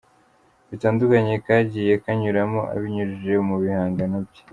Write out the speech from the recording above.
bitandukanye kagiye kanyuramo abinyujije mu bihangano bye.